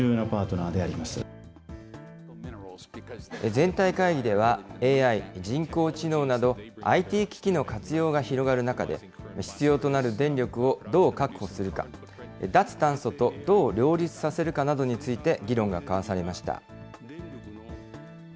全体会議では、ＡＩ・人工知能など、ＩＴ機器の活用が広がる中で、必要となる電力をどう確保するか、脱炭素とどう両立させるかなどについて、議論が交わされました。